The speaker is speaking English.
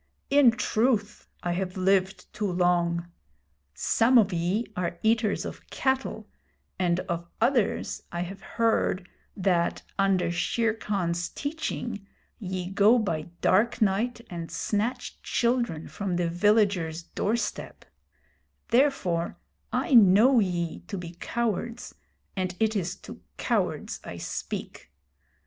In truth, I have lived too long. Some of ye are eaters of cattle, and of others I have heard that, under Shere Khan's teaching, ye go by dark night and snatch children from the villager's door step Therefore I know ye to be cowards, and it is to cowards I speak.